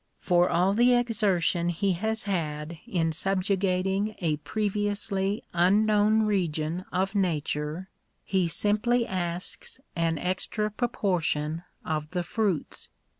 For all the exertion he has had in subjugating a previously un known region of nature, he simply asks an extra proportion of the fruits.